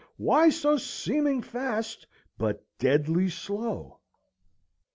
Why so seeming fast, but deadly slow?"